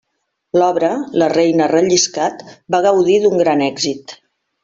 L'obra, La reina ha relliscat, va gaudir d'un gran èxit.